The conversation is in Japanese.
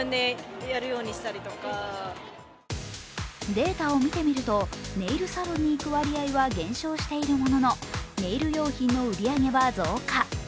データを見てみると、ネイルサロンに行く割合は減少しているもののネイル用品の売り上げは増加。